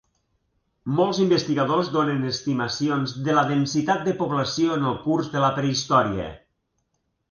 Molts investigadors donen estimacions de la densitat de població en el curs de la Prehistòria.